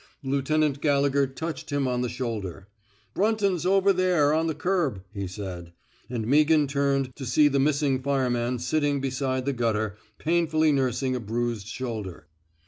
Lieutenant Gallegher touched him on the shoulder. *' Brunton 's over there, on the curb," he said; and Meaghan turned to see the missing fireman sitting beside the gutter, painfully nursing a bruised shoulder.